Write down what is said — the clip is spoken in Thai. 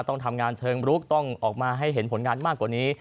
ต้องทำงานเชิงลุกต้องออกมาให้เห็นผลงานมากกว่านี้